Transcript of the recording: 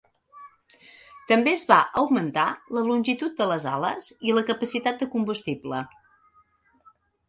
També es va augmentar la longitud de les ales i la capacitat de combustible.